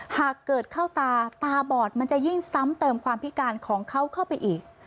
หากเกิดเข้าตาตาบอดมันจะยิ่งซ้ำเติมความพิการของเขาเข้าไปอีก